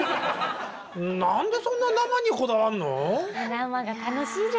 何でそんな生にこだわるの？